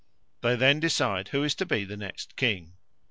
They then decide who is to be the next king.